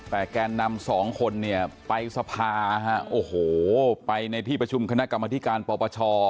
แต่แกนนำสองคนเนี่ยไปสภาฮะโอ้โหไปในที่ประชุมคณะกรรมธิการปปช